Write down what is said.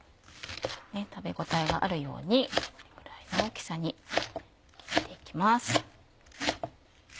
食べ応えがあるようにこれぐらいの大きさに切って行きます。